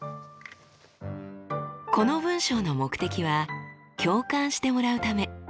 この文章の目的は「共感してもらうため」。